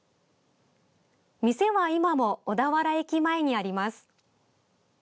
店は、今も小田原駅前にあります。